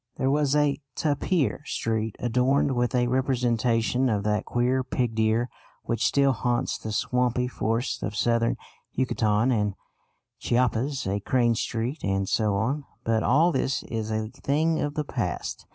There was a Tapir Street adorned with a representation of that queer pig deer which still haunts the swampy forests of Southern Yucatan and Chiapas; a Crane Street, and so on. But all this is a thing of the past.